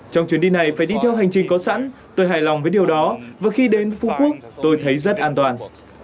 trong chuyến đi này phải đi theo hành trình có sẵn tôi hài lòng với điều đó và khi đến phú quốc tôi thấy rất an toàn